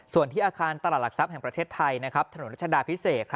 ส่วนที่อาคารตลาดหลักทรัพย์แห่งประเทศไทยถนนรัชดาพิเศษ